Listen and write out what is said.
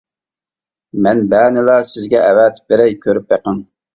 مەنبەنىلا سىزگە ئەۋەتىپ بېرەي، كۆرۈپ بېقىڭ.